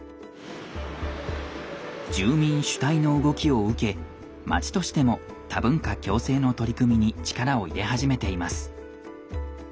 住民主体の動きを受け町としても多文化共生の取り組みに力を入れ始めています。